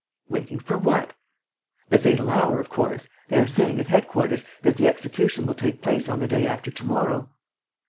"Waiting for what?" "The fatal hour of course. They are saying, at headquarters, that the execution will take place on the day after to morrow."